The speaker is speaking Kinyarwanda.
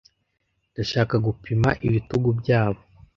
ndashaka gupima ibitugu byabo